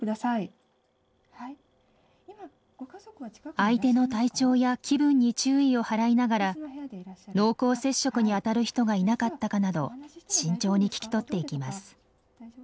相手の体調や気分に注意を払いながら濃厚接触にあたる人がいなかったかなど慎重に聞き取っていきます。